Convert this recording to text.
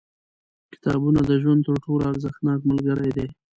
• کتابونه د ژوند تر ټولو ارزښتناک ملګري دي.